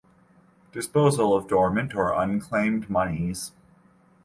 Disposal of dormant or unclaimed moneys.